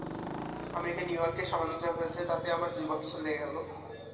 আমেরিকায় নিউ ইয়র্কে সামান্য যা হয়েছে তাতেই আমার দুই বৎসর লেগে গেল।